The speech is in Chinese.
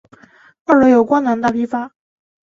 二楼有光南大批发。